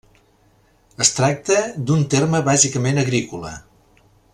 Es tracta d'un terme bàsicament agrícola.